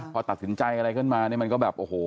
พอตัดสินใจอะไรขึ้นมา